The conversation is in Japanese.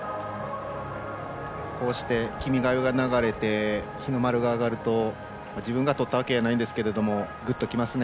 こうして「君が代」が流れて、日の丸が揚がると自分がとったわけやないんですけどぐっときますね。